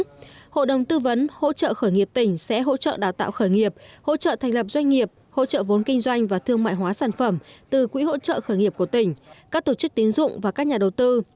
hội đồng tư vấn hỗ trợ khởi nghiệp tỉnh sẽ hỗ trợ đào tạo khởi nghiệp hỗ trợ thành lập doanh nghiệp hỗ trợ vốn kinh doanh và thương mại hóa sản phẩm từ quỹ hỗ trợ khởi nghiệp của tỉnh các tổ chức tín dụng và các nhà đầu tư